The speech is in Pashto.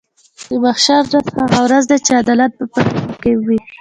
د محشر ورځ هغه ورځ ده چې عدالت به پکې حاکم وي .